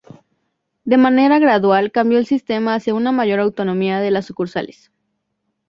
De manera gradual cambió el sistema hacia una mayor autonomía de las sucursales.